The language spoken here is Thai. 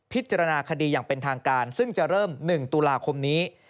คดีอย่างเป็นทางการซึ่งจะเริ่ม๑ตุลาคมนี้